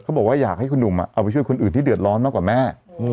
บอกว่าอยากให้คุณหนุ่มเอาไปช่วยคนอื่นที่เดือดร้อนมากกว่าแม่